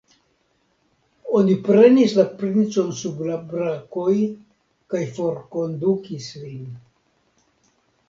Oni prenis la princon sub la brakoj kaj forkondukis lin.